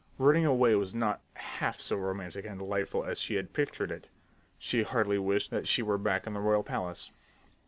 Running away was not half so romantic and delightful as she had pictured it. She heartily wished that she were back in the royal palace.